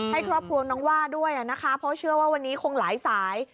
ให้ครอบครัวน้องว่าด้วยนะคะเพราะเชื่อว่าวันนี้คงหลายสาย